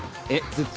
ずっと？